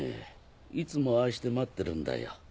いつもああして待ってるんだよ。